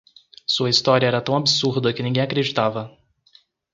Sua história era tão absurda que ninguém acreditava.